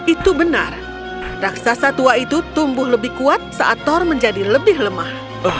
itu benar raksasa tua itu tumbuh lebih kuat saat thor menjadi lebih lemah